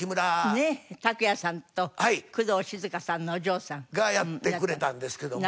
ねっ拓哉さんと工藤静香さんのお嬢さん。がやってくれたんですけども。